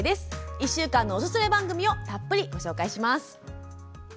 １週間のおすすめ番組をたっぷりご紹介します。